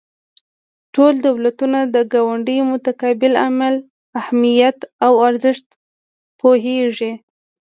ټول دولتونه د ګاونډیو متقابل عمل اهمیت او ارزښت پوهیږي